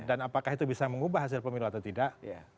dan apakah itu bisa mengubah hasil pemilu atau tidak